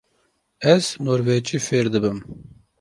Ez norwecî fêr dibim.